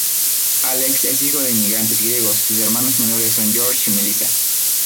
Alex es hijo de inmigrantes griegos, sus hermanos menores son George y Melissa.